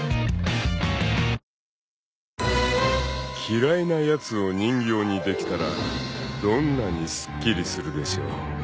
［嫌いなやつを人形にできたらどんなにすっきりするでしょう］